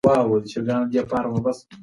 په ټولنيزو رسنيو کې پښتو ليکل کيږي.